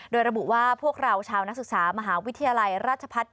โดยระบุว่าพวกเราชาวนักศึกษามหาวิทยาลัยราชพัฒน์